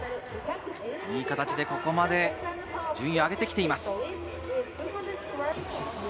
いい形でここまで順位を上げてきています。